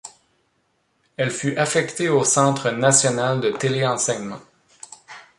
Elle fut affectée au centre national de télé-enseignement.